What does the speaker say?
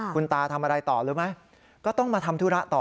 คุณตาทำอะไรต่อรู้ไหมก็ต้องมาทำธุระต่อ